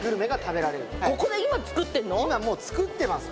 今もう作ってます